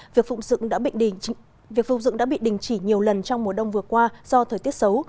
việc phục dựng đã bị đình chỉ nhiều lần trong mùa đông vừa qua do thời tiết xấu